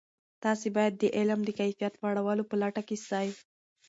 تاسې باید د علم د کیفیت لوړولو په لټه کې سئ.